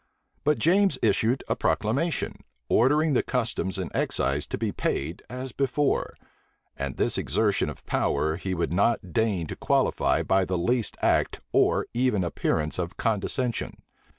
But James issued a proclamation, ordering the customs and excise to be paid as before; and this exertion of power he would not deign to qualify by the least act or even appearance of condescension.